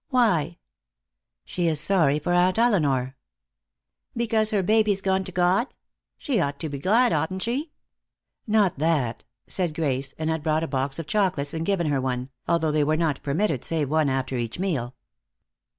"Why?" "She is sorry for Aunt Elinor." "Because her baby's gone to God? She ought to be glad, oughtn't she?" "Not that;" said Grace, and had brought a box of chocolates and given her one, although they were not permitted save one after each meal.